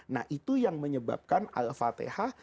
nah itu yang menyebabkan al fatihah